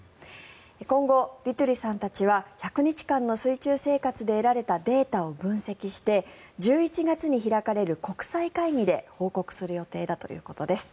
今後、ディトゥリさんたちは１００日間の水中生活で得られたデータを分析して１１月に開かれる国際会議で報告する予定だということです。